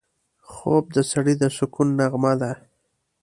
خوب د سړي د سکون نغمه ده